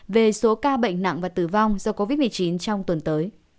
về số ca bệnh nặng và tử vong do covid một mươi chín trong tuần tới